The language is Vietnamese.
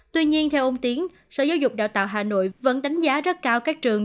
tuy nhiên theo ông tiến sở giáo dục đào tạo hà nội vẫn đánh giá rất cao các trường